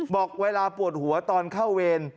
บอกเวลาปวดหัวตอนเข้าเวร